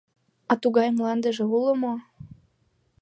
— А тугай мландыже уло мо?